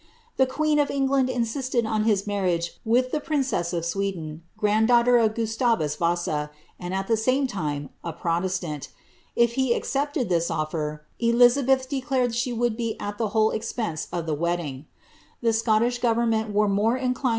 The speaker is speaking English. The queeo of England insisted on his marrinue with the princess of Sweden, srar.d diiughier of Gustavus Vusa, and. at ihe same time, a proiestani; ii' U accepted this oiler, Elizabeth declared ?lie would be at the whole espt;; of the wedding,' The Scottish government were more inclined t.